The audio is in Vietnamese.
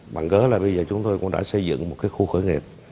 bằng gỡ là bây giờ chúng tôi cũng đã xây dựng một khu khởi nghiệp